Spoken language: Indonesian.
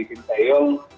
seperti tim seyong